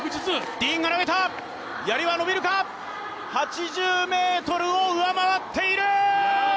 ディーンが投げた、やりは伸びるか８０ｍを上回っている！